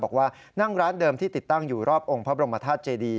บอกว่านั่งร้านเดิมที่ติดตั้งอยู่รอบองค์พระบรมธาตุเจดี